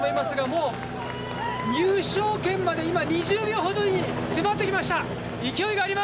もう入賞圏まで２０秒ほどに迫ってきました。